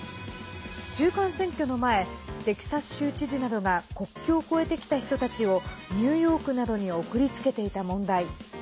中間選挙の前テキサス州知事などが国境を越えてきた人たちをニューヨークなどに送りつけていた問題。